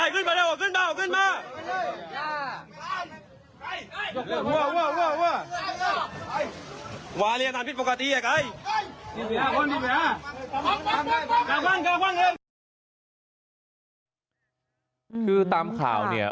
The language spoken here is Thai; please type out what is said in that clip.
คือตามข่าวเนี่ย